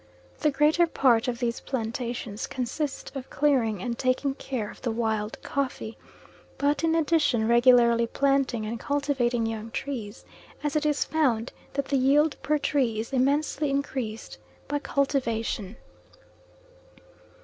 The greater part of these plantations consist of clearing and taking care of the wild coffee, but in addition regularly planting and cultivating young trees, as it is found that the yield per tree is immensely increased by cultivation.